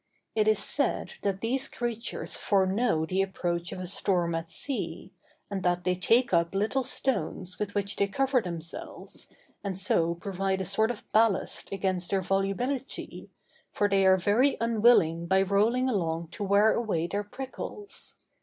It is said that these creatures foreknow the approach of a storm at sea, and that they take up little stones with which they cover themselves, and so provide a sort of ballast against their volubility, for they are very unwilling by rolling along to wear away their prickles.